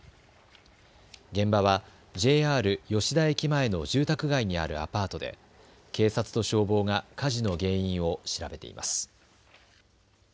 現場はＪＲ吉田駅前の住宅街にあるアパートで警察と消防が火事の原因を調べています。